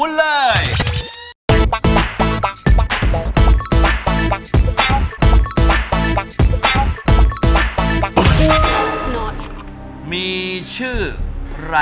ต่อเลยใส่เบอร์๑๐